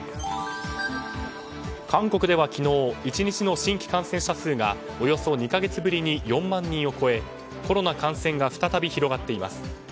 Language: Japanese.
韓国では昨日１日の新規感染者数がおよそ２か月ぶりに４万人を超えコロナ感染が再び広がっています。